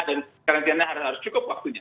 dan karantinanya harus cukup waktunya